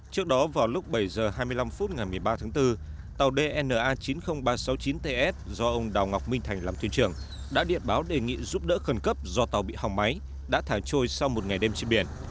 trước đó vào lúc bảy h hai mươi năm phút ngày một mươi ba tháng bốn tàu dna chín mươi nghìn ba trăm sáu mươi chín ts do ông đào ngọc minh thành làm thuyền trưởng đã điện báo đề nghị giúp đỡ khẩn cấp do tàu bị hỏng máy đã thả trôi sau một ngày đêm trên biển